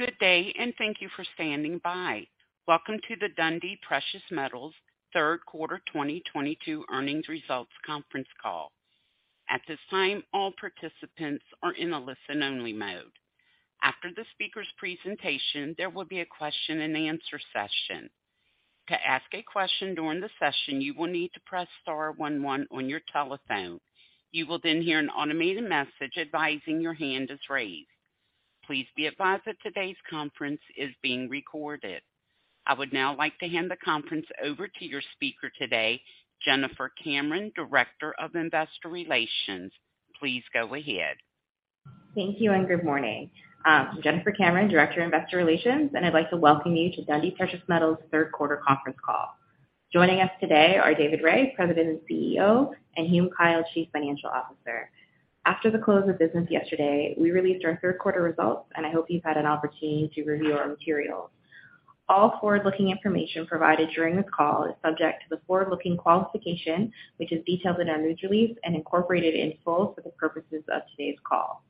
Good day, and thank you for standing by. Welcome to the Dundee Precious Metals third quarter 2022 earnings results conference call. At this time, all participants are in a listen-only mode. After the speaker's presentation, there will be a question-and-answer session. To ask a question during the session, you will need to press star one one on your telephone. You will then hear an automated message advising your hand is raised. Please be advised that today's conference is being recorded. I would now like to hand the conference over to your speaker today, Jennifer Cameron, Director of Investor Relations. Please go ahead. Thank you and good morning. I'm Jennifer Cameron, Director of Investor Relations, and I'd like to welcome you to Dundee Precious Metals third quarter conference call. Joining us today are David Rae, President and CEO, and Hume Kyle, Chief Financial Officer. After the close of business yesterday, we released our third quarter results, and I hope you've had an opportunity to review our materials. All forward-looking information provided during this call is subject to the forward-looking qualification, which is detailed in our news release and incorporated in full for the purposes of today's call.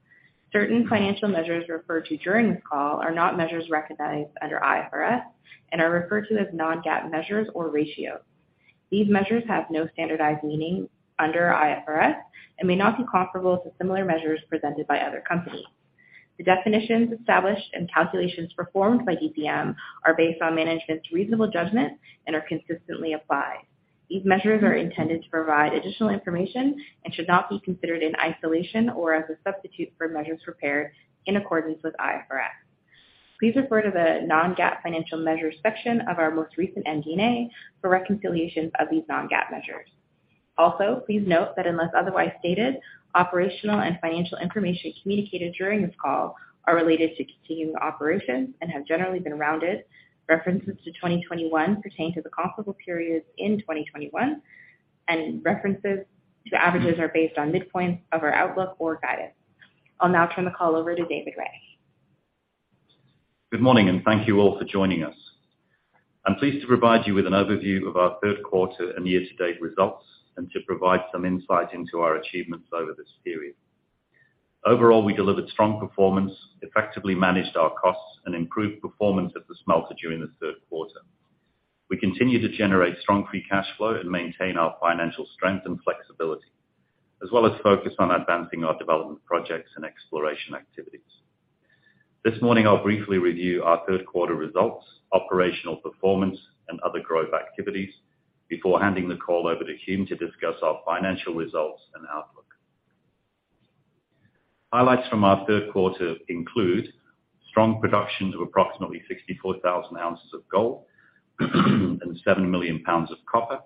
Certain financial measures referred to during this call are not measures recognized under IFRS and are referred to as non-GAAP measures or ratios. These measures have no standardized meaning under IFRS and may not be comparable to similar measures presented by other companies. The definitions established and calculations performed by DPM are based on management's reasonable judgment and are consistently applied. These measures are intended to provide additional information and should not be considered in isolation or as a substitute for measures prepared in accordance with IFRS. Please refer to the non-GAAP financial measures section of our most recent MD&A for reconciliations of these non-GAAP measures. Also, please note that unless otherwise stated, operational and financial information communicated during this call are related to continuing operations and have generally been rounded. References to 2021 pertain to the comparable periods in 2021, and references to averages are based on midpoints of our outlook or guidance. I'll now turn the call over to David Rae. Good morning, and thank you all for joining us. I'm pleased to provide you with an overview of our third quarter and year-to-date results and to provide some insight into our achievements over this period. Overall, we delivered strong performance, effectively managed our costs, and improved performance at the smelter during the third quarter. We continue to generate strong free cash flow and maintain our financial strength and flexibility, as well as focus on advancing our development projects and exploration activities. This morning, I'll briefly review our third quarter results, operational performance, and other growth activities before handing the call over to Hume to discuss our financial results and outlook. Highlights from our third quarter include strong production of approximately 64,000 ounces of gold and 7 million lbs of copper,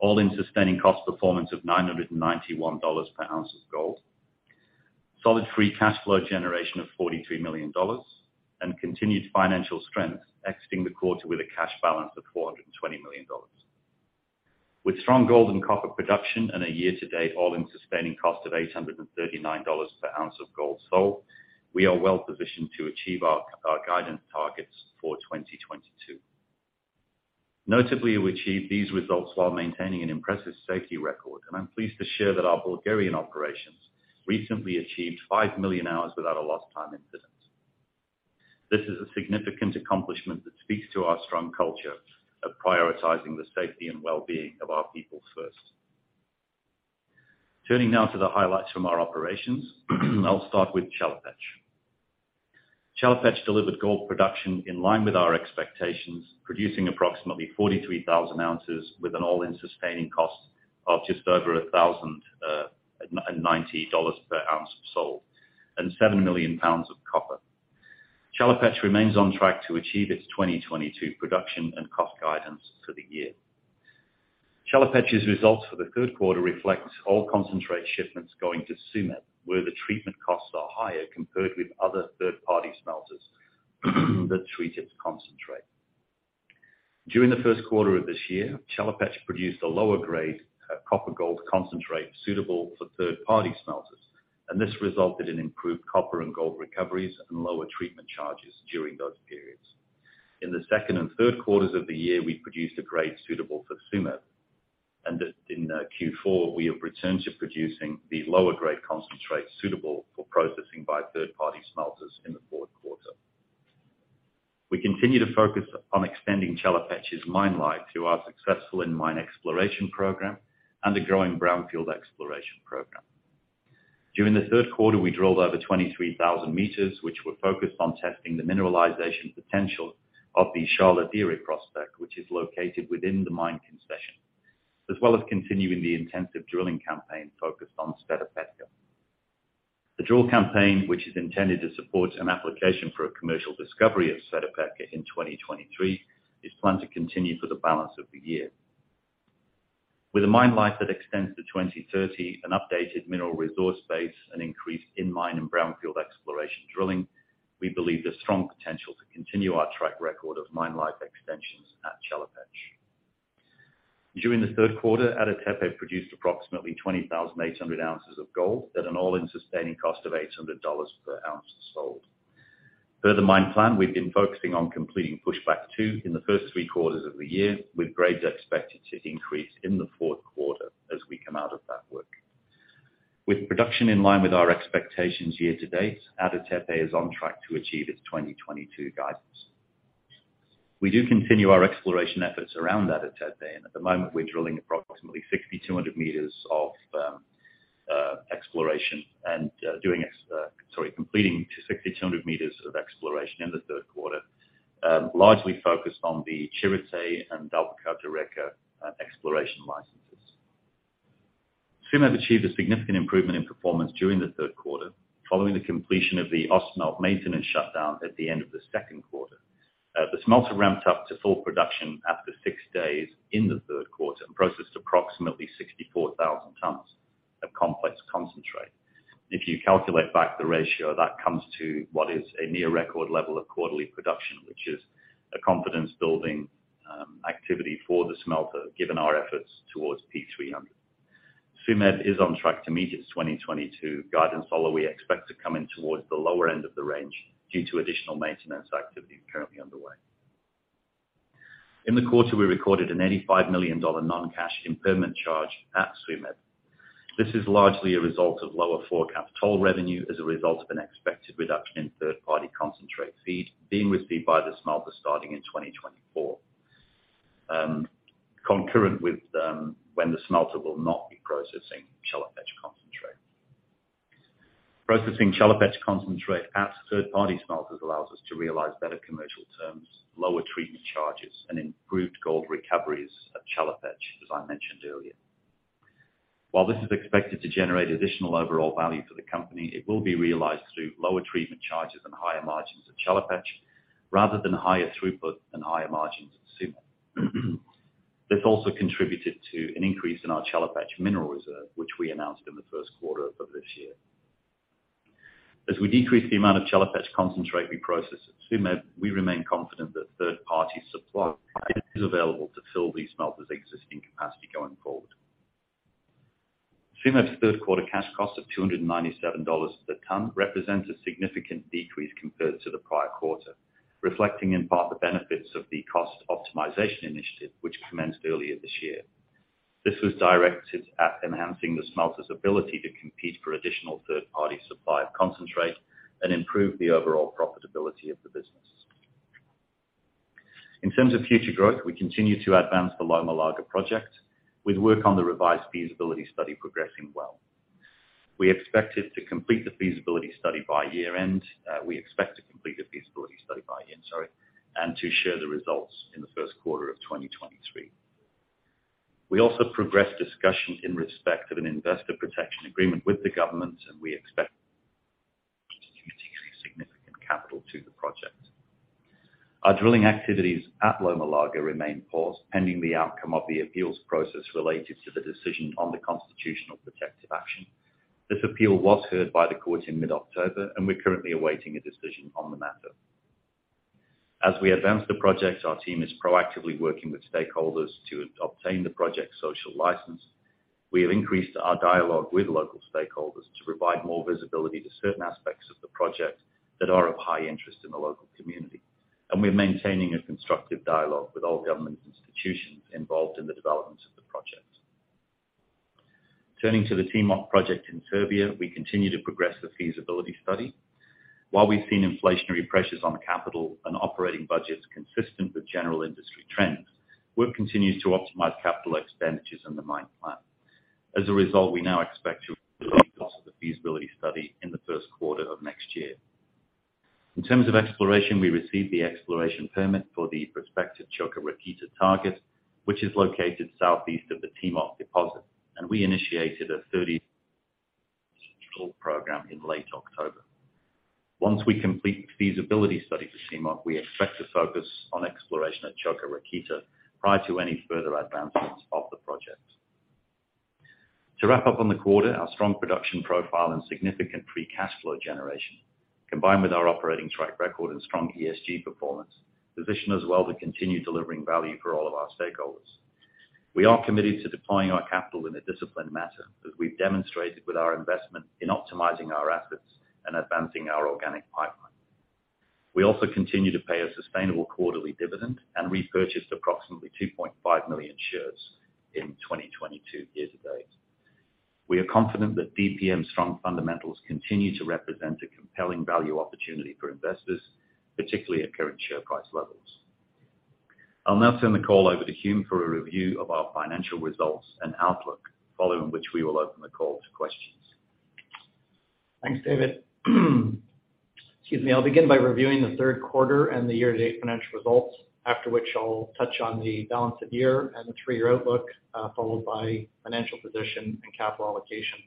all-in sustaining cost performance of $991 per ounce of gold, solid free cash flow generation of $43 million, and continued financial strength, exiting the quarter with a cash balance of $420 million. With strong gold and copper production and a year-to-date all-in sustaining cost of $839 per ounce of gold sold, we are well-positioned to achieve our guidance targets for 2022. Notably, we achieved these results while maintaining an impressive safety record, and I'm pleased to share that our Bulgarian operations recently achieved 5 million hours without a lost time incident. This is a significant accomplishment that speaks to our strong culture of prioritizing the safety and well-being of our people first. Turning now to the highlights from our operations, I'll start with Chelopech. Chelopech delivered gold production in line with our expectations, producing approximately 43,000 ounces with an all-in sustaining cost of just over $1,090 per ounce sold and 7 million lbs of copper. Chelopech remains on track to achieve its 2022 production and cost guidance for the year. Chelopech's results for the third quarter reflects all concentrate shipments going to Tsumeb, where the treatment costs are higher compared with other third-party smelters that treat its concentrate. During the first quarter of this year, Chelopech produced a lower grade copper-gold concentrate suitable for third-party smelters, and this resulted in improved copper and gold recoveries and lower treatment charges during those periods. In the second and third quarters of the year, we produced a grade suitable for Tsumeb. Q4, we have returned to producing the lower grade concentrate suitable for processing by third-party smelters in the fourth quarter. We continue to focus on extending Chelopech's mine life through our successful in-mine exploration program and a growing brownfield exploration program. During the third quarter, we drilled over 23,000 m, which were focused on testing the mineralization potential of the Sharlo Dere prospect, which is located within the mine concession, as well as continuing the intensive drilling campaign focused on Sveta Petka. The drill campaign, which is intended to support an application for a commercial discovery of Sveta Petka in 2023, is planned to continue for the balance of the year. With a mine life that extends to 2030, an updated mineral resource base, an increase in mine and brownfield exploration drilling, we believe there's strong potential to continue our track record of mine life extensions at Chelopech. During the third quarter, Ada Tepe produced approximately 20,800 ounces of gold at an all-in sustaining cost of $800 per ounce sold. Per the mine plan, we've been focusing on completing pushback two in the first three quarters of the year, with grades expected to increase in the fourth quarter as we come out of that work. With production in line with our expectations year-to-date, Ada Tepe is on track to achieve its 2022 guidance. We do continue our exploration efforts around Ada Tepe, and at the moment we're drilling approximately 6,200 m of exploration and completing 6,200 m of exploration in the third quarter, largely focused on the Chelopech and Davutlar Deresi exploration licenses. Tsumeb achieved a significant improvement in performance during the third quarter, following the completion of the Ausmelt maintenance shutdown at the end of the second quarter. The smelter ramped up to full production after six days in the third quarter and processed approximately 64,000 tons of complex concentrate. If you calculate back the ratio, that comes to what is a near record level of quarterly production, which is a confidence building activity for the smelter, given our efforts towards P300. Tsumeb is on track to meet its 2022 guidance, although we expect to come in towards the lower end of the range due to additional maintenance activity currently underway. In the quarter, we recorded a $85 million non-cash impairment charge at Tsumeb. This is largely a result of lower forecast toll revenue as a result of an expected reduction in third-party concentrate feed being received by the smelter starting in 2024, concurrent with, when the smelter will not be processing Chelopech concentrate. Processing Chelopech concentrate at third-party smelters allows us to realize better commercial terms, lower treatment charges and improved gold recoveries at Chelopech, as I mentioned earlier. While this is expected to generate additional overall value for the company, it will be realized through lower treatment charges and higher margins at Chelopech, rather than higher throughput and higher margins at Tsumeb. This also contributed to an increase in our Chelopech mineral reserve, which we announced in the first quarter of this year. As we decrease the amount of Chelopech concentrate we process at Tsumeb, we remain confident that third-party supply is available to fill the smelter's existing capacity going forward. Tsumeb's third quarter cash cost of $297 per ton represents a significant decrease compared to the prior quarter, reflecting in part the benefits of the cost optimization initiative, which commenced earlier this year. This was directed at enhancing the smelter's ability to compete for additional third-party supply of concentrate and improve the overall profitability of the business. In terms of future growth, we continue to advance the Loma Larga project with work on the revised feasibility study progressing well. We expected to complete the feasibility study by year-end. We expect to complete the feasibility study by year end, sorry, and to share the results in the first quarter of 2023. We also progressed discussions in respect of an investor protection agreement with the government, and we expect to contribute significant capital to the project. Our drilling activities at Loma Larga remain paused pending the outcome of the appeals process related to the decision on the constitutional protective action. This appeal was heard by the court in mid-October, and we're currently awaiting a decision on the matter. As we advance the project, our team is proactively working with stakeholders to obtain the project's social license. We have increased our dialogue with local stakeholders to provide more visibility to certain aspects of the project that are of high interest in the local community. We're maintaining a constructive dialogue with all government institutions involved in the development of the project. Turning to the Timok project in Serbia, we continue to progress the feasibility study. While we've seen inflationary pressures on the capital and operating budgets consistent with general industry trends, work continues to optimize capital expenditures in the mine plan. As a result, we now expect to complete the feasibility study in the first quarter of next year. In terms of exploration, we received the exploration permit for the prospective Čoka Rakita target, which is located southeast of the Timok deposit, and we initiated a drill program in late October. Once we complete the feasibility study for Timok, we expect to focus on exploration at Čoka Rakita prior to any further advancements of the project. To wrap up on the quarter, our strong production profile and significant free cash flow generation, combined with our operating track record and strong ESG performance, position us well to continue delivering value for all of our stakeholders. We are committed to deploying our capital in a disciplined manner, as we've demonstrated with our investment in optimizing our assets and advancing our organic pipeline. We also continue to pay a sustainable quarterly dividend and repurchased approximately 2.5 million shares in 2022 year-to-date. We are confident that DPM's strong fundamentals continue to represent a compelling value opportunity for investors, particularly at current share price levels. I'll now turn the call over to Hume for a review of our financial results and outlook, following which we will open the call to questions. Thanks, David. Excuse me. I'll begin by reviewing the third quarter and the year-to-date financial results, after which I'll touch on the balance of the year and the three-year outlook, followed by financial position and capital allocation.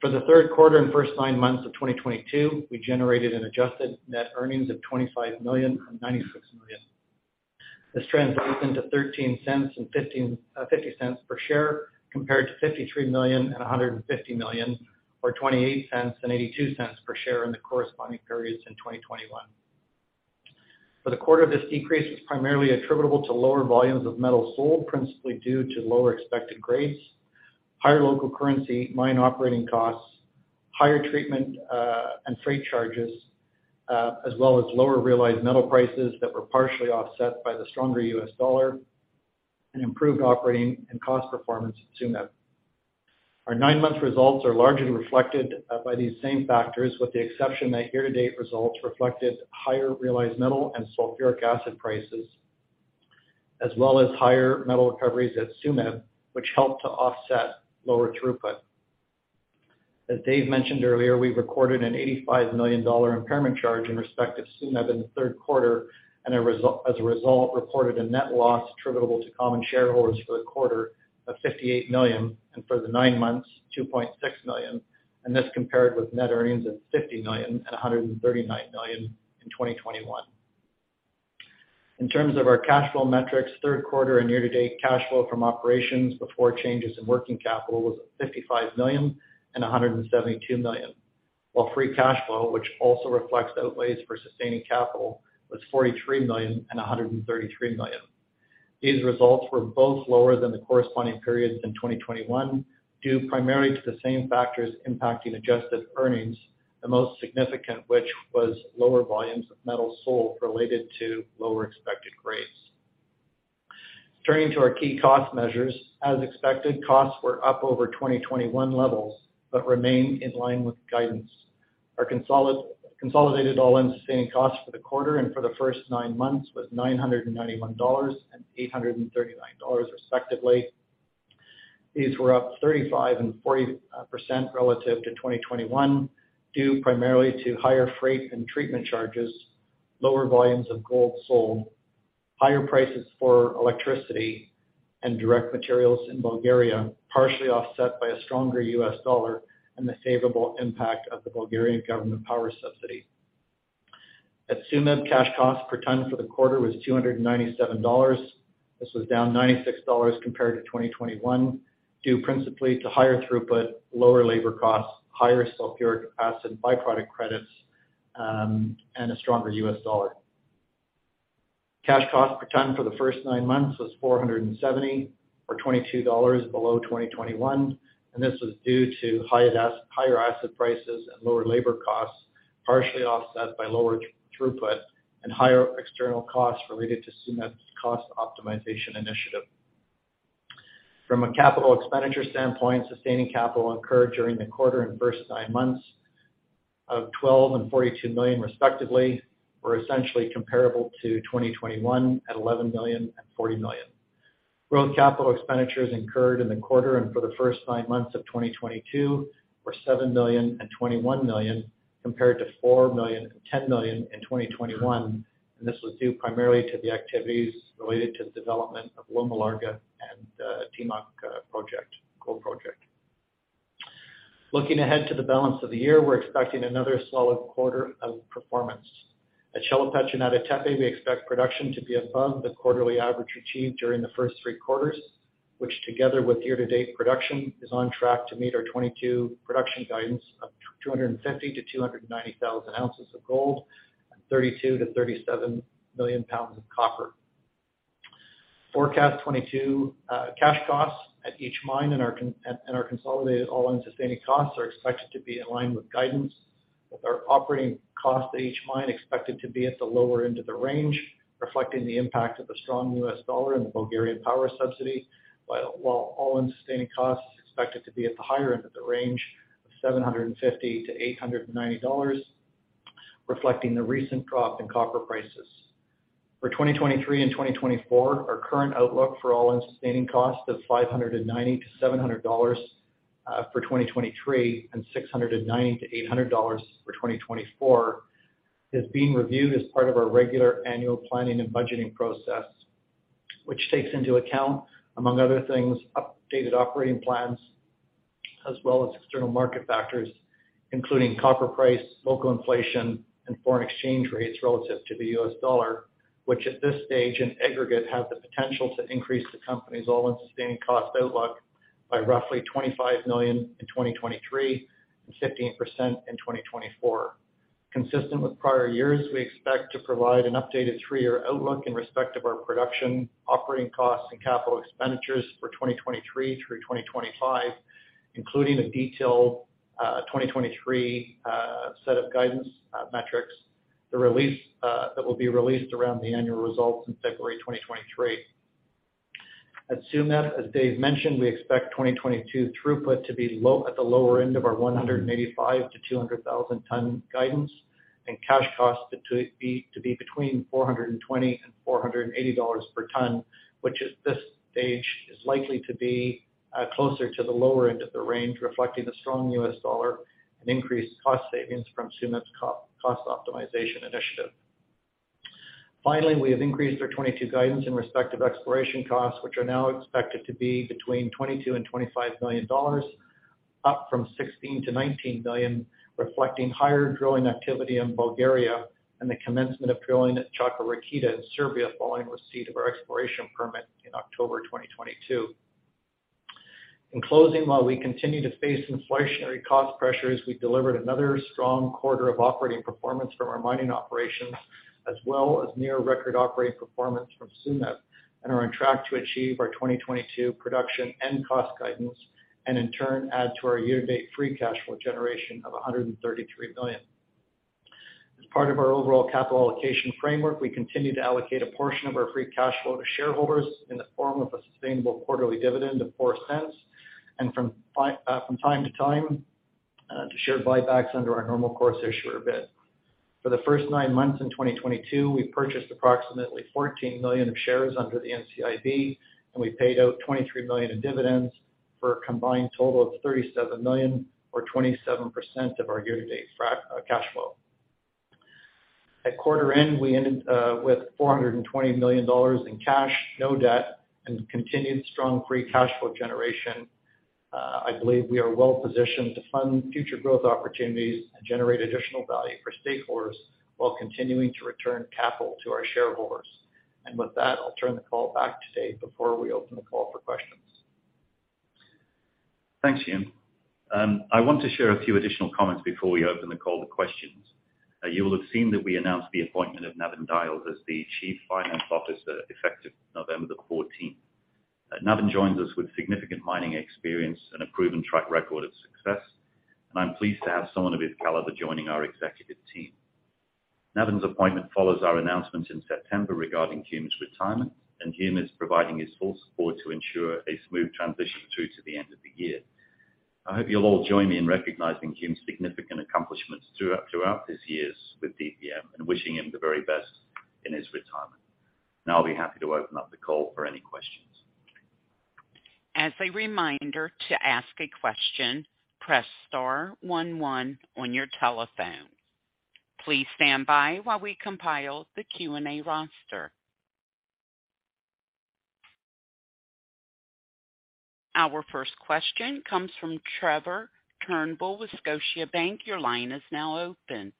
For the third quarter and first nine months of 2022, we generated an adjusted net earnings of $25 million and $96 million. This translates into $0.13 and $0.50 per share compared to $53 million and $150 million or $0.28 and $0.82 per share in the corresponding periods in 2021. For the quarter, this decrease was primarily attributable to lower volumes of metal sold, principally due to lower expected grades, higher local currency mine operating costs, higher treatment and freight charges, as well as lower realized metal prices that were partially offset by the stronger U.S. dollar. Improved operating and cost performance at Tsumeb. Our nine-month results are largely reflected by these same factors, with the exception that year-to-date results reflected higher realized metal and sulfuric acid prices as well as higher metal recoveries at Tsumeb, which helped to offset lower throughput. As David mentioned earlier, we recorded an $85 million impairment charge in respect of Tsumeb in the third quarter, and as a result, reported a net loss attributable to common shareholders for the quarter of $58 million, and for the nine months, $2.6 million. This compared with net earnings of $50 million and $139 million in 2021. In terms of our cash flow metrics, third quarter and year-to-date cash flow from operations before changes in working capital was at $55 million and $172 million. While free cash flow, which also reflects outlays for sustaining capital, was $43 million and $133 million. These results were both lower than the corresponding periods in 2021, due primarily to the same factors impacting adjusted earnings, the most significant which was lower volumes of metal sold related to lower expected grades. Turning to our key cost measures. As expected, costs were up over 2021 levels, but remain in line with guidance. Our consolidated all-in sustaining costs for the quarter and for the first nine months was $991 and $839, respectively. These were up 35% and 40% relative to 2021, due primarily to higher freight and treatment charges, lower volumes of gold sold, higher prices for electricity and direct materials in Bulgaria, partially offset by a stronger U.S. dollar and the favorable impact of the Bulgarian government power subsidy. At Tsumeb, cash cost per ton for the quarter was $297. This was down $96 compared to 2021, due principally to higher throughput, lower labor costs, higher sulfuric acid byproduct credits, and a stronger U.S. dollar. Cash cost per ton for the first nine months was $470, or $22 below 2021, and this was due to higher acid prices and lower labor costs, partially offset by lower throughput and higher external costs related to Tsumeb's cost optimization initiative. From a capital expenditure standpoint, sustaining capital incurred during the quarter and first nine months of $12 million and $42 million, respectively, were essentially comparable to 2021 at $11 million and $40 million. Growth capital expenditures incurred in the quarter and for the first nine months of 2022 were $7 million and $21 million, compared to $4 million and $10 million in 2021, and this was due primarily to the activities related to the development of Loma Larga and Timok, Čoka Rakita project. Looking ahead to the balance of the year, we're expecting another solid quarter of performance. At Chelopech and Ada Tepe, we expect production to be above the quarterly average achieved during the first three quarters, which together with year-to-date production, is on track to meet our 2022 production guidance of 250,000-290,000 ounces of gold and 32 million-37 million lbs of copper. Forecast 2022 cash costs at each mine and our consolidated all-in sustaining costs are expected to be in line with guidance, with our operating costs at each mine expected to be at the lower end of the range, reflecting the impact of the strong U.S. dollar and the Bulgarian power subsidy, while all-in sustaining costs expected to be at the higher end of the range of $750-$890, reflecting the recent drop in copper prices. For 2023 and 2024, our current outlook for all-in sustaining costs of $590-$700 for 2023, and $690-$800 for 2024 is being reviewed as part of our regular annual planning and budgeting process, which takes into account, among other things, updated operating plans as well as external market factors, including copper price, local inflation, and foreign exchange rates relative to the U.S. dollar, which at this stage in aggregate have the potential to increase the company's all-in sustaining cost outlook by roughly $25 million in 2023 and 15% in 2024. Consistent with prior years, we expect to provide an updated three-year outlook in respect of our production, operating costs, and capital expenditures for 2023 through 2025, including a detailed 2023 set of guidance metrics, the release that will be released around the annual results in February 2023. At Tsumeb, as David mentioned, we expect 2022 throughput to be at the lower end of our 185,000-200,000 ton guidance and cash costs to be between $420 and $480 per ton, which at this stage is likely to be closer to the lower end of the range, reflecting the strong U.S. dollar and increased cost savings from Tsumeb's cost optimization initiative. Finally, we have increased our 2022 guidance in respect of exploration costs, which are now expected to be between $22 million and $25 million, up from $16 million to $19 million, reflecting higher drilling activity in Bulgaria and the commencement of drilling at Čoka Rakita in Serbia following receipt of our exploration permit in October 2022. In closing, while we continue to face inflationary cost pressures, we delivered another strong quarter of operating performance from our mining operations, as well as near record operating performance from Tsumeb, and are on track to achieve our 2022 production and cost guidance, and in turn add to our year-to-date free cash flow generation of $133 million. As part of our overall capital allocation framework, we continue to allocate a portion of our free cash flow to shareholders in the form of a sustainable quarterly dividend of $0.04 and from time to time to share buybacks under our normal course issuer bid. For the first nine months in 2022, we purchased approximately 14 million shares under the NCIB, and we paid out $23 million in dividends for a combined total of $37 million or 27% of our year-to-date free cash flow. At quarter end, we ended with $420 million in cash, no debt, and continued strong free cash flow generation. I believe we are well-positioned to fund future growth opportunities and generate additional value for stakeholders while continuing to return capital to our shareholders. With that, I'll turn the call back to David before we open the call for questions. Thanks, Hume. I want to share a few additional comments before we open the call to questions. You will have seen that we announced the appointment of Navin Dyal as the Chief Financial Officer effective November the 14th. Navin joins us with significant mining experience and a proven track record of success, and I'm pleased to have someone of his caliber joining our executive team. Navin's appointment follows our announcement in September regarding Hume's retirement, and Hume is providing his full support to ensure a smooth transition through to the end of the year. I hope you'll all join me in recognizing Hume's significant accomplishments throughout his years with DPM and wishing him the very best in his retirement. Now, I'll be happy to open up the call for any questions. As a reminder to ask a question, press star one one on your telephone. Please stand by while we compile the Q&A roster. Our first question comes from Trevor Turnbull with Scotiabank. Your line is now open.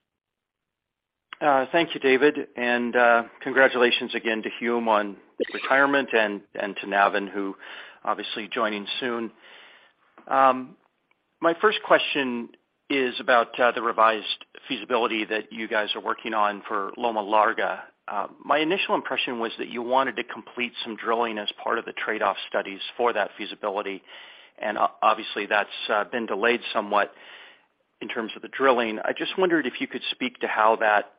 Thank you, David. Congratulations again to Hume on his retirement and to Navin, who obviously joining soon. My first question is about the revised feasibility that you guys are working on for Loma Larga. My initial impression was that you wanted to complete some drilling as part of the trade-off studies for that feasibility. Obviously, that's been delayed somewhat in terms of the drilling. I just wondered if you could speak to how that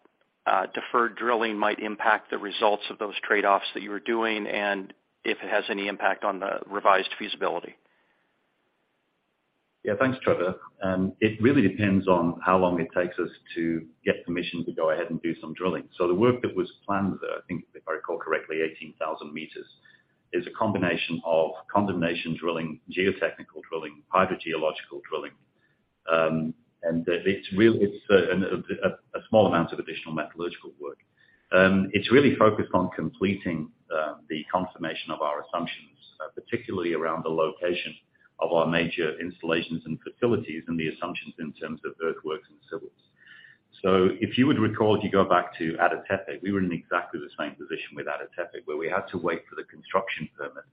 deferred drilling might impact the results of those trade-offs that you were doing and if it has any impact on the revised feasibility. Yeah. Thanks, Trevor. It really depends on how long it takes us to get permission to go ahead and do some drilling. The work that was planned, I think if I recall correctly, 18,000 m, is a combination of condemnation drilling, geotechnical drilling, hydrogeological drilling, and it's a small amount of additional metallurgical work. It's really focused on completing the confirmation of our assumptions, particularly around the location of our major installations and facilities and the assumptions in terms of earthworks and civils. If you would recall, if you go back to Ada Tepe, we were in exactly the same position with Ada Tepe, where we had to wait for the construction permit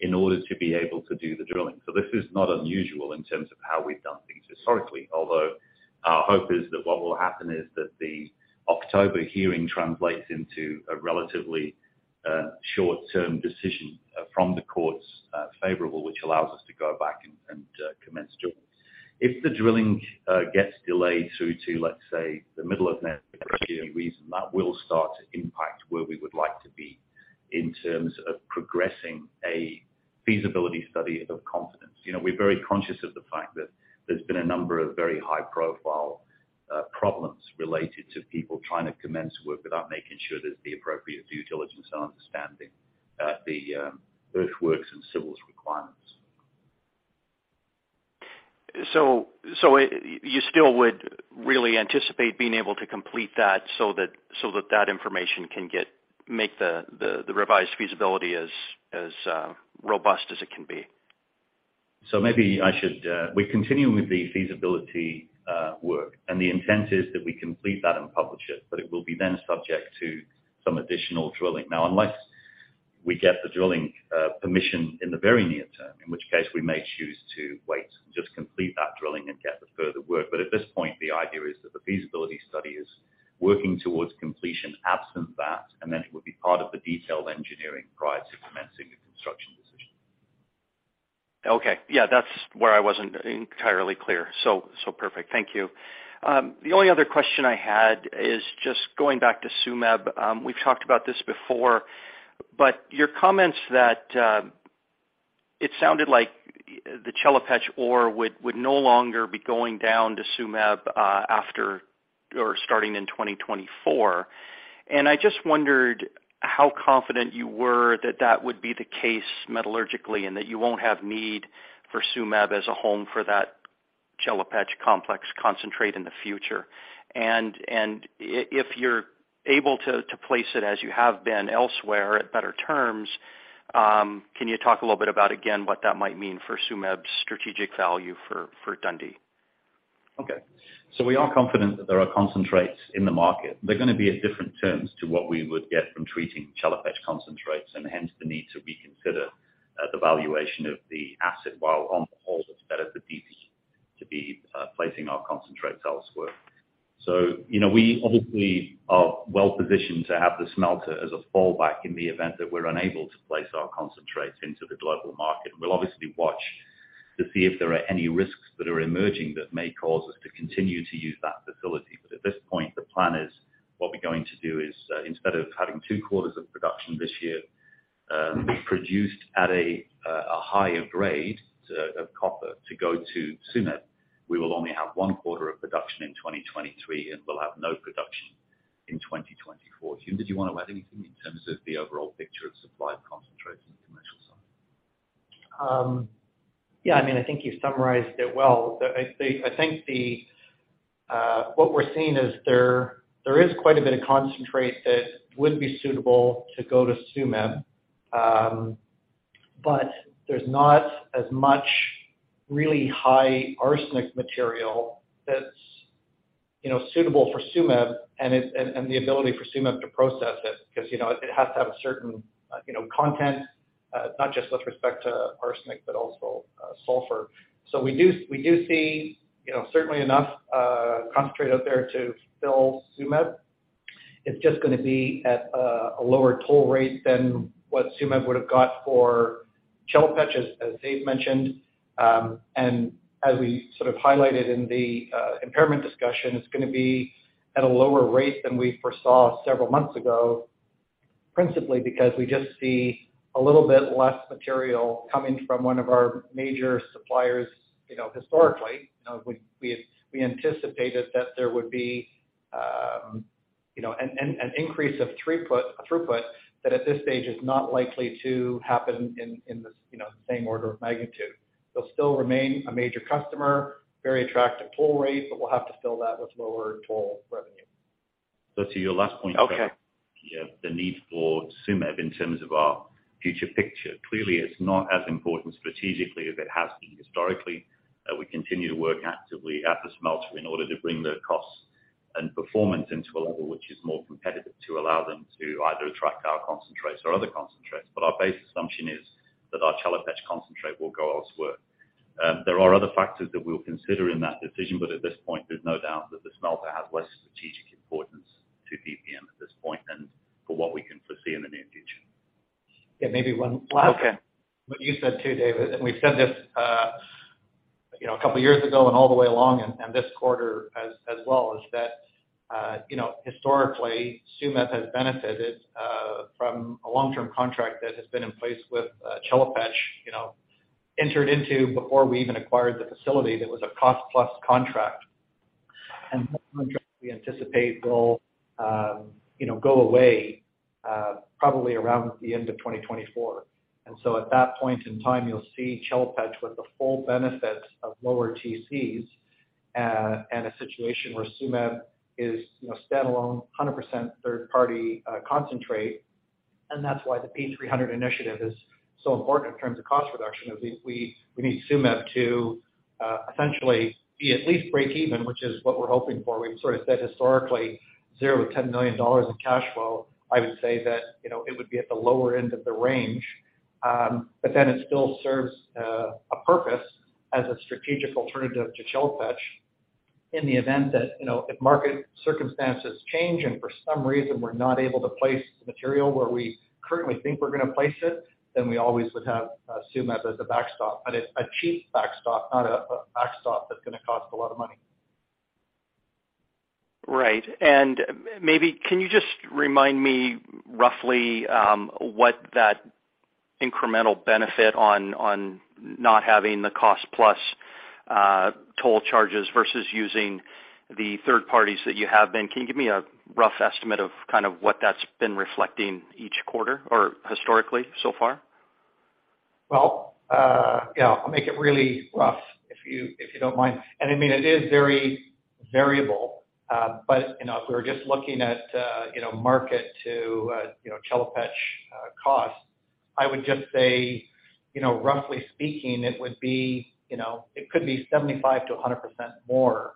in order to be able to do the drilling. This is not unusual in terms of how we've done things historically. Although our hope is that what will happen is that the October hearing translates into a relatively short-term decision from the courts favorable, which allows us to go back and commence drilling. If the drilling gets delayed through to, let's say, the middle of next year that will start to impact where we would like to be in terms of progressing a feasibility study of confidence. You know, we're very conscious of the fact that there's been a number of very high profile problems related to people trying to commence work without making sure there's the appropriate due diligence and understanding the earthworks and civils requirements. You still would really anticipate being able to complete that so that that information can make the revised feasibility as robust as it can be. We're continuing with the feasibility work, and the intent is that we complete that and publish it, but it will be then subject to some additional drilling. Now, unless we get the drilling permission in the very near term, in which case we may choose to wait and just complete that drilling and get the further work. At this point, the idea is that the feasibility study is working towards completion absent that, and then it would be part of the detailed engineering prior to commencing the construction decision. Okay. Yeah. That's where I wasn't entirely clear. Perfect. Thank you. The only other question I had is just going back to Tsumeb. We've talked about this before, but your comments that it sounded like the Chelopech ore would no longer be going down to Tsumeb after or starting in 2024. I just wondered how confident you were that that would be the case metallurgically, and that you won't have need for Tsumeb as a home for that Chelopech complex concentrate in the future. If you're able to place it as you have been elsewhere at better terms, can you talk a little bit about again, what that might mean for Tsumeb's strategic value for Dundee? Okay. We are confident that there are concentrates in the market. They're gonna be at different terms to what we would get from treating Chelopech concentrates and hence the need to reconsider the valuation of the asset while on the whole, it's better for DP to be placing our concentrates elsewhere. You know, we obviously are well-positioned to have the smelter as a fallback in the event that we're unable to place our concentrates into the global market. We'll obviously watch to see if there are any risks that are emerging that may cause us to continue to use that facility. At this point, the plan is what we're going to do is, instead of having two quarters of production this year, be produced at a higher grade of copper to go to Tsumeb, we will only have one quarter of production in 2023, and we'll have no production in 2024. Hume, did you wanna add anything in terms of the overall picture of supply concentration commercial side? Yeah, I mean, I think you summarized it well. I think what we're seeing is there is quite a bit of concentrate that would be suitable to go to Tsumeb, but there's not as much really high arsenic material that's, you know, suitable for Tsumeb and the ability for Tsumeb to process it. Because, you know, it has to have a certain content, not just with respect to arsenic, but also sulfur. We do see, you know, certainly enough concentrate out there to fill Tsumeb. It's just gonna be at a lower toll rate than what Tsumeb would've got for Chelopech, as David mentioned. As we sort of highlighted in the impairment discussion, it's gonna be at a lower rate than we foresaw several months ago, principally because we just see a little bit less material coming from one of our major suppliers. You know, historically, you know, we anticipated that there would be, you know, an increase of throughput that at this stage is not likely to happen in this, you know, same order of magnitude. They'll still remain a major customer, very attractive toll rate, but we'll have to fill that with lower toll revenue. To your last point. Okay. Yeah. The need for Tsumeb in terms of our future picture. Clearly, it's not as important strategically as it has been historically. We continue to work actively at the smelter in order to bring the costs and performance into a level which is more competitive to allow them to either attract our concentrates or other concentrates. Our base assumption is that our Chelopech concentrate will go elsewhere. There are other factors that we'll consider in that decision, but at this point, there's no doubt that the smelter has less strategic importance to DPM at this point and for what we can foresee in the near future. Yeah, maybe one last thing. Okay. What you said too, David, and we've said this, you know, a couple years ago and all the way along and this quarter as well, is that, you know, historically, Tsumeb has benefited from a long-term contract that has been in place with Chelopech, you know, entered into before we even acquired the facility. That was a cost plus contract. That contract, we anticipate will, you know, go away probably around the end of 2024. At that point in time, you'll see Chelopech with the full benefits of lower TCs and a situation where Tsumeb is, you know, standalone 100% third party concentrate. That's why the P300 initiative is so important in terms of cost reduction, is we need Tsumeb to essentially be at least break even, which is what we're hoping for. We've sort of said historically, $0-$10 million in cash flow. I would say that, you know, it would be at the lower end of the range. But then it still serves a purpose as a strategic alternative to Chelopech in the event that, you know, if market circumstances change and for some reason we're not able to place the material where we currently think we're gonna place it, then we always would have Tsumeb as a backstop. It's a cheap backstop, not a backstop that's gonna cost a lot of money. Right. Maybe can you just remind me roughly what that incremental benefit on not having the cost plus toll charges versus using the third parties that you have been? Can you give me a rough estimate of kind of what that's been reflecting each quarter or historically so far? Well, yeah, I'll make it really rough if you don't mind. I mean, it is very variable. You know, if we were just looking at, you know, market to, you know, Chelopech cost, I would just say, you know, roughly speaking, it would be, you know, it could be 75%-100% more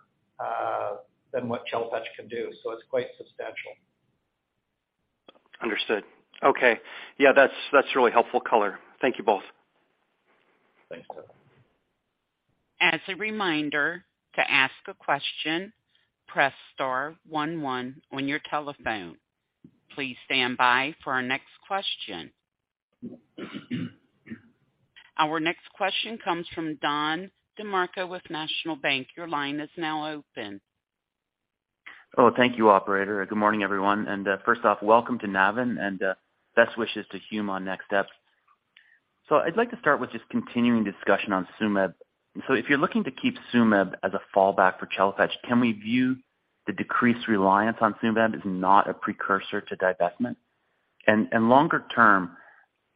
than what Chelopech can do. It's quite substantial. Understood. Okay. Yeah, that's really helpful color. Thank you both. Thanks, Trevor. As a reminder, to ask a question, press star one one on your telephone. Please stand by for our next question. Our next question comes from Don DeMarco with National Bank. Your line is now open. Oh, thank you, operator. Good morning, everyone. First off, welcome to Navin, and best wishes to Hume on next steps. I'd like to start with just continuing discussion on Tsumeb. If you're looking to keep Tsumeb as a fallback for Chelopech, can we view the decreased reliance on Tsumeb as not a precursor to divestment? Longer term,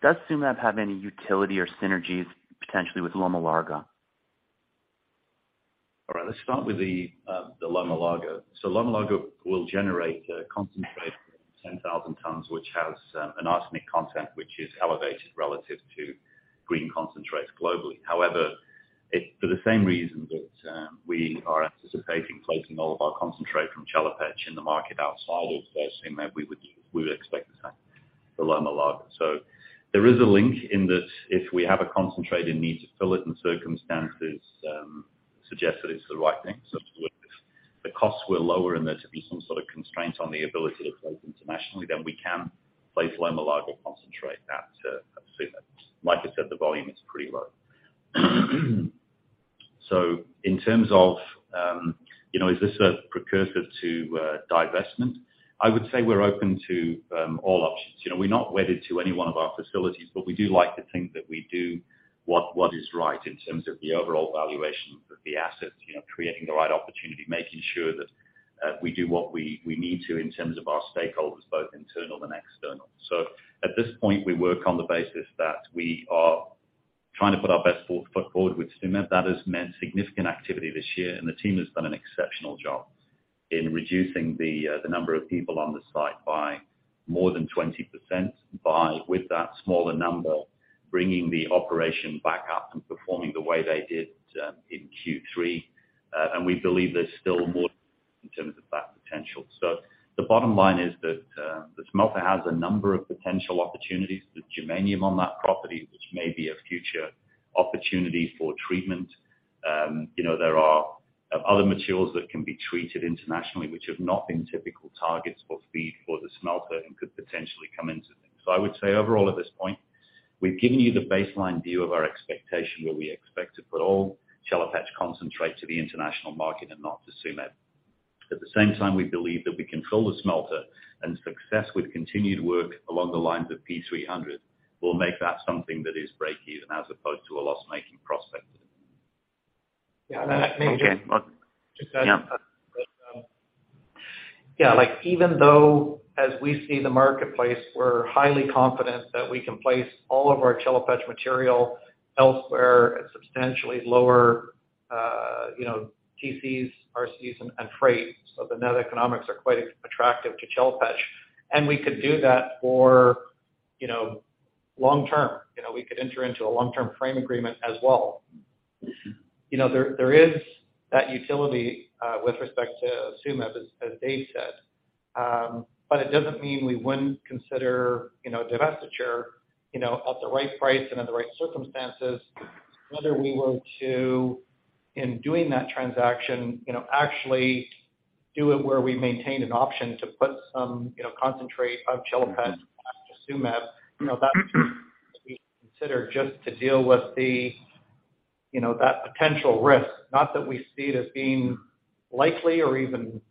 does Tsumeb have any utility or synergies potentially with Loma Larga? All right, let's start with the Loma Larga. Loma Larga will generate a concentrate, 10,000 tons, which has an arsenic content, which is elevated relative to green concentrates globally. However, it, for the same reason that we are anticipating placing all of our concentrate from Chelopech in the market outside of sourcing that we would expect the same for Loma Larga. There is a link in that if we have a concentrate and need to fill it and circumstances suggest that it's the right thing, so would this? The costs were lower and there were to be some sort of constraints on the ability to place internationally, then we can place Loma Larga concentrate to Tsumeb. Like I said, the volume is pretty low. In terms of, you know, is this a precursor to divestment? I would say we're open to all options. You know, we're not wedded to any one of our facilities, but we do like to think that we do what is right in terms of the overall valuation of the assets, you know, creating the right opportunity, making sure that we do what we need to in terms of our stakeholders, both internal and external. At this point, we work on the basis that we are trying to put our best foot forward with Tsumeb. That has meant significant activity this year, and the team has done an exceptional job in reducing the number of people on the site by more than 20% by, with that smaller number, bringing the operation back up and performing the way they did in Q3. We believe there's still more in terms of that potential. The bottom line is that, the smelter has a number of potential opportunities, the germanium on that property, which may be a future opportunity for treatment. You know, there are, other materials that can be treated internationally, which have not been typical targets for feed for the smelter and could potentially come into things. I would say overall at this point, we've given you the baseline view of our expectation, where we expect to put all Chelopech concentrate to the international market and not to Tsumeb. At the same time, we believe that we control the smelter and success with continued work along the lines of P300 will make that something that is breakeven as opposed to a loss-making prospect. Yeah. Okay. Just add. Yeah. Yeah. Like, even though as we see the marketplace, we're highly confident that we can place all of our Chelopech material elsewhere at substantially lower, you know, TCs, RCs and freight. The net economics are quite attractive to Chelopech, and we could do that for, you know, long term. You know, we could enter into a long-term framework agreement as well. You know, there is that utility with respect to Tsumeb, as David said. It doesn't mean we wouldn't consider, you know, divestiture, you know, at the right price and in the right circumstances, whether we were to, in doing that transaction, you know, actually do it where we maintain an option to put some, you know, concentrate of Chelopech back to Tsumeb. You know, that's considered just to deal with the, you know, that potential risk. Not that we see it as being likely or even,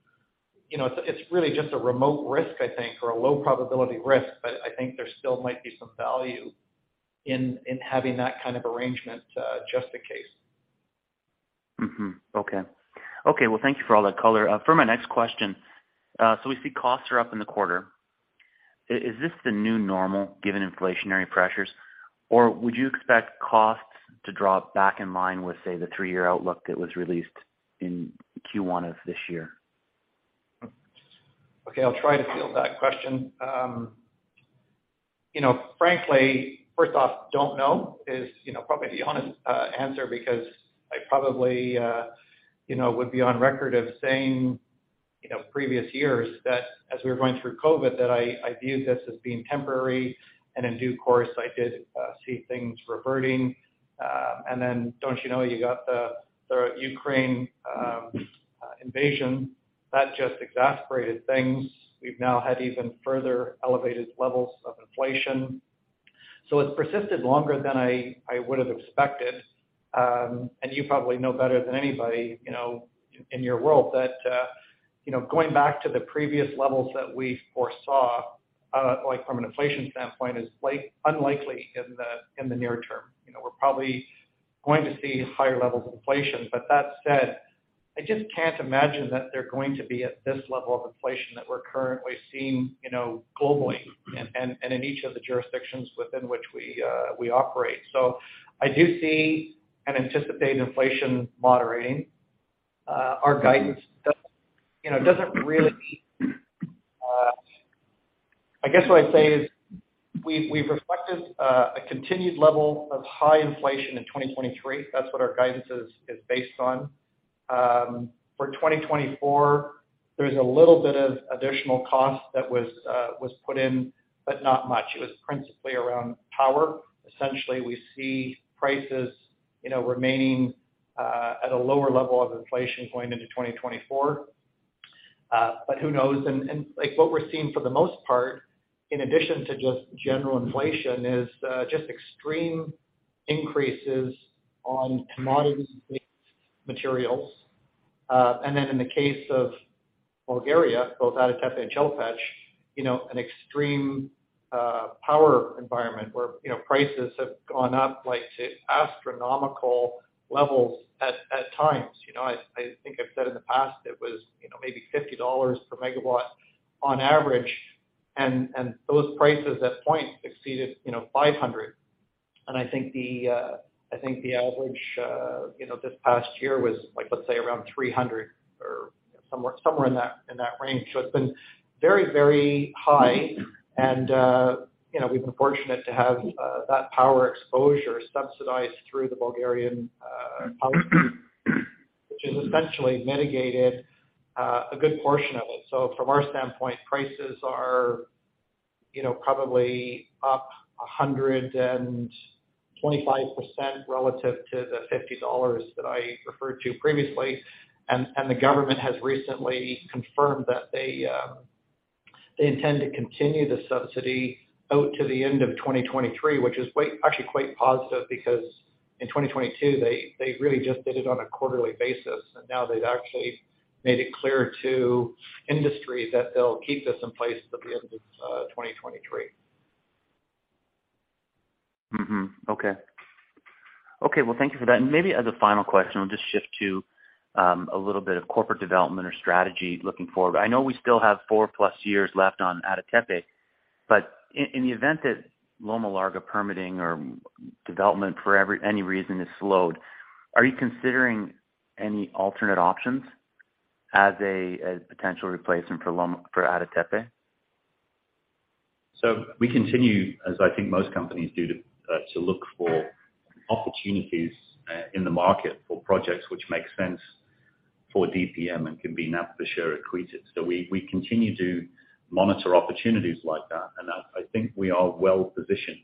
you know, it's really just a remote risk, I think, or a low probability risk. I think there still might be some value in having that kind of arrangement, just in case. Mm-hmm. Okay. Okay. Well, thank you for all that color. For my next question, we see costs are up in the quarter. Is this the new normal given inflationary pressures, or would you expect costs to drop back in line with, say, the three-year outlook that was released in Q1 of this year? Okay, I'll try to field that question. You know, frankly, first off, don't know is, you know, probably the honest answer because I probably, you know, would be on record as saying, you know, previous years that as we were going through COVID, that I viewed this as being temporary. In due course, I did see things reverting. Then, you know, you got the Ukraine invasion. That just exacerbated things. We've now had even further elevated levels of inflation. It's persisted longer than I would've expected. You probably know better than anybody, you know, in your world that, you know, going back to the previous levels that we foresaw, like from an inflation standpoint, is unlikely in the near term. You know, we're probably going to see higher levels of inflation. That said, I just can't imagine that they're going to be at this level of inflation that we're currently seeing, you know, globally and in each of the jurisdictions within which we operate. I do see and anticipate inflation moderating. Our guidance does, you know, doesn't really. I guess what I'd say is we've reflected a continued level of high inflation in 2023. That's what our guidance is based on. For 2024, there's a little bit of additional cost that was put in, but not much. It was principally around power. Essentially, we see prices, you know, remaining at a lower level of inflation going into 2024. Who knows? Like what we're seeing for the most part, in addition to just general inflation is just extreme increases on commodity materials. And then in the case of Bulgaria, both Ada Tepe and Chelopech, you know, an extreme power environment where, you know, prices have gone up like to astronomical levels at times. You know, I think I've said in the past it was, you know, maybe $50 per megawatt on average. And those prices at one point exceeded, you know, 500. And I think the average, you know, this past year was like, let's say around 300 or somewhere in that range. It's been very, very high and, you know, we've been fortunate to have that power exposure subsidized through the Bulgarian policy, which has essentially mitigated a good portion of it. From our standpoint, prices are you know, probably up 125% relative to the $50 that I referred to previously. The government has recently confirmed that they intend to continue the subsidy out to the end of 2023, which is actually quite positive because in 2022, they really just did it on a quarterly basis, and now they've actually made it clear to industry that they'll keep this in place at the end of 2023. Mm-hmm. Okay. Okay, well, thank you for that. Maybe as a final question, I'll just shift to a little bit of corporate development or strategy looking forward. I know we still have 4+ years left on Ada Tepe, but in the event that Loma Larga permitting or development for any reason is slowed, are you considering any alternate options as a potential replacement for Ada Tepe? We continue, as I think most companies do, to look for opportunities in the market for projects which make sense for DPM and can be NAV per share accretive. We continue to monitor opportunities like that. I think we are well-positioned,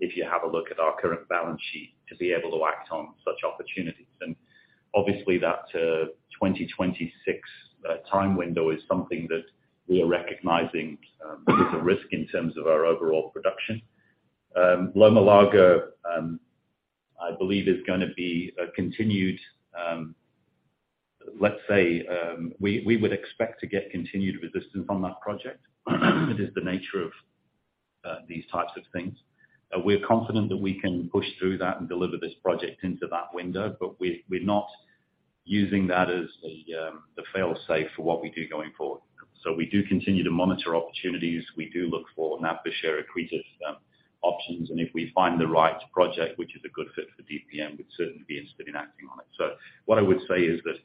if you have a look at our current balance sheet, to be able to act on such opportunities. Obviously that 2026 time window is something that we are recognizing is a risk in terms of our overall production. Loma Larga, I believe is gonna be a continued. We would expect to get continued resistance on that project. It is the nature of these types of things. We're confident that we can push through that and deliver this project into that window, but we're not using that as the fail-safe for what we do going forward. We do continue to monitor opportunities. We do look for NAV per share accretive options. If we find the right project, which is a good fit for DPM, we'd certainly be interested in acting on it. What I would say is that,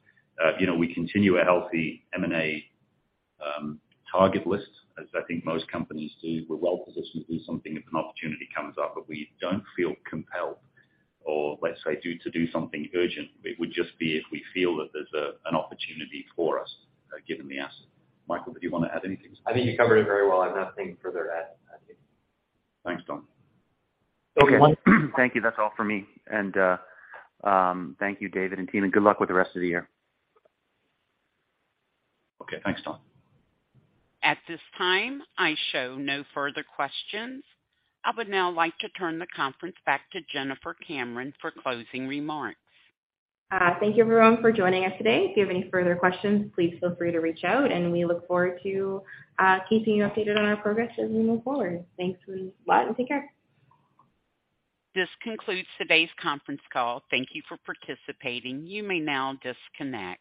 you know, we continue a healthy M&A target list, as I think most companies do. We're well-positioned to do something if an opportunity comes up, but we don't feel compelled or, let's say, to do something urgent. It would just be if we feel that there's an opportunity for us, given the asset. Hume, did you wanna add anything to that? I think you covered it very well. I have nothing further to add. Thanks, Don. Okay. Thank you. That's all for me. Thank you, David and team, and good luck with the rest of the year. Okay. Thanks, Don. At this time, I show no further questions. I would now like to turn the conference back to Jennifer Cameron for closing remarks. Thank you everyone for joining us today. If you have any further questions, please feel free to reach out, and we look forward to keeping you updated on our progress as we move forward. Thanks a lot, and take care. This concludes today's conference call. Thank you for participating. You may now disconnect.